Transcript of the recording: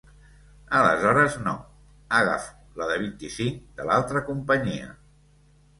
Aleshores no, agafo la de vint-i-cinc de l'altra companyia.